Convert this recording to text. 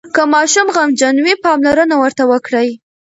که ماشوم غمجن وي، پاملرنه ورته وکړئ.